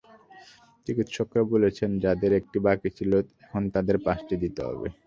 চিকিৎসকেরা বলছেন, যাঁদের একটি বাকি ছিল, এখন তাঁদের পাঁচটি দিতে হবে।